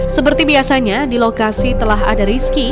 seperti biasanya di lokasi telah ada rizki